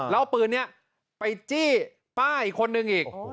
เอาปืนนี้ไปจี้ป้าคนนึงอีก